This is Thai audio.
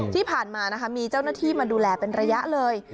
ที่ผ่านมานะคะมีเจ้าหน้าที่มาดูแลเป็นระยะเลย